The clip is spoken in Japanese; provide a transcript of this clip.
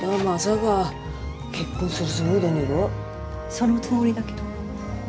そのつもりだけど。